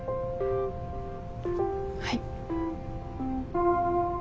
はい。